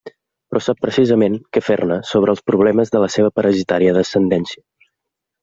Però sap precisament què fer-ne sobre els problemes de la seva parasitària descendència.